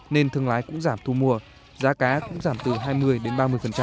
nên thương lái cũng giảm thu mua giá cá cũng giảm từ hai mươi đến ba mươi